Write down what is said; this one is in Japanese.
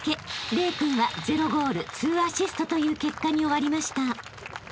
［玲君は０ゴール２アシストという結果に終わりました］